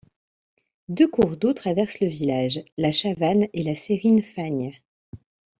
Deux cours d'eau traversent le village, la Chavanne et la Sèrine Fagne.